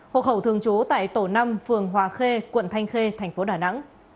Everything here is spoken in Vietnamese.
hồ hậu thường chú tại tổ năm phường hòa khê quận thanh khê tp đà nẵng